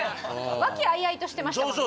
和気あいあいとしてましたもんね